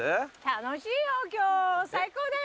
楽しいよ今日最高だよ。